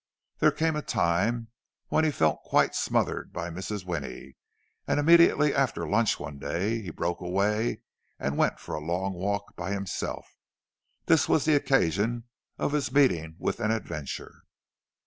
There came a time when he felt quite smothered by Mrs. Winnie; and immediately after lunch one day he broke away and went for a long walk by himself. This was the occasion of his meeting with an adventure.